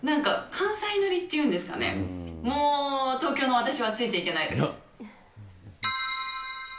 関西のりっていうんですかね、もう東京の私はついていけないです。